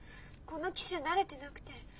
この機種慣れてなくて。